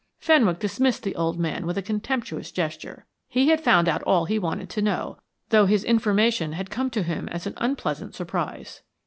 Fenwick dismissed the old man with a contemptuous gesture. He had found out all he wanted to know, though his information had come to him as an unpleasant surprise.